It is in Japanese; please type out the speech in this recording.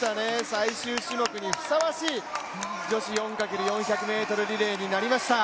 最終種目にふさわしい女子４×４００ｍリレーになりました。